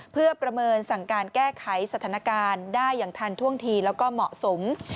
เพื่อประเมินสั่งการแก้ไขสถานการณ์ได้อย่างทันท่วงทีแล้วก็เหมาะสม